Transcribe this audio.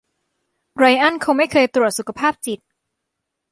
ไรอันคงไม่เคยตรวจสุจภาพจิต